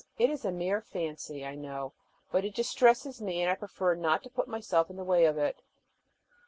It is a mere fancy, I know, but it distresses me, and I prefer not to put myself in the way of it.